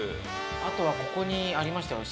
あとはここにありましたよ。